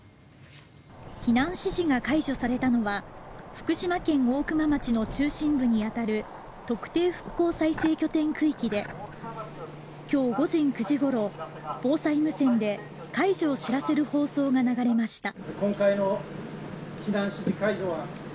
避難指示が解除されたのは福島県大熊町の中心部に当たる特定復興再生拠点区域で今日午前９時ごろ防災無線で解除を知らせる放送が流れました。